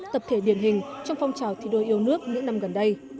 tập thể điển hình trong phong trào thi đua yêu nước những năm gần đây